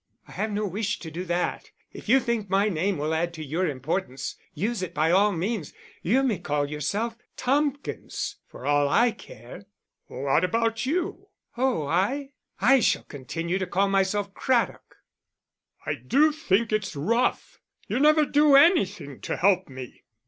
"I have no wish to do that. If you think my name will add to your importance, use it by all means.... You may call yourself Tompkins for all I care." "What about you?" "Oh I I shall continue to call myself Craddock." "I do think it's rough. You never do anything to help me."